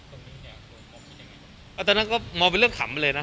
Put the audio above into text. ตรงนี้เนี้ยควรมอบคิดยังไงอ่ะแต่นั่นก็มอบเป็นเรื่องขำเลยน่ะ